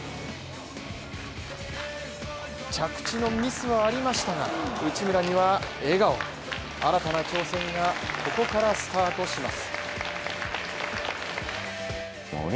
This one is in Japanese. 着地のミスはありましたが、内村には笑顔新たな挑戦が、ここからスタートします。